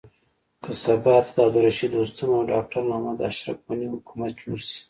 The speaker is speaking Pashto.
که سبا ته د عبدالرشيد دوستم او ډاکټر محمد اشرف حکومت جوړ شي.